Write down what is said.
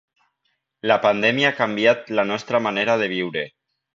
La pandèmia ha canviat la nostra manera de viure.